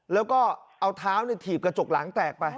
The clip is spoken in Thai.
แล้วก็เอาเท้าถีบกระจกหลังแตกไป